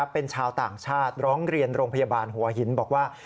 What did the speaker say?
เป็นชาวต่างชาติร้องเรียนโรงพยาบาลหัวหินบอกว่า